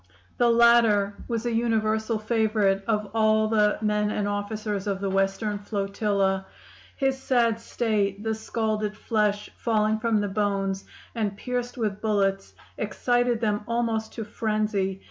"The latter was a universal favorite of all the men and officers of the Western flotilla. His sad state the scalded flesh falling from the bones, and pierced with bullets excited them almost to frenzy.